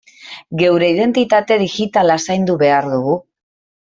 Geure identitate digitala zaindu behar dugu.